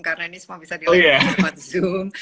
karena ini semua bisa dilakukan dengan zoom